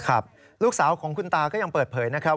ครับลูกสาวของคุณตาก็ยังเปิดเผยนะครับ